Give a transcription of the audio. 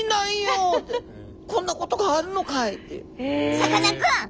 さかなクン